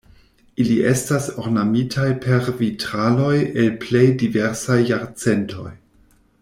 Ili estas ornamitaj per vitraloj el plej diversaj jarcentoj.